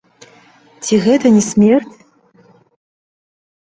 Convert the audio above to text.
Ці гэта не смерць?